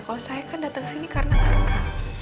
kalau saya kan dateng sini karena arka